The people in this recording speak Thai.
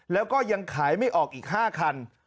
แล้วก็ยังขายไม่ออกอีก๕คัน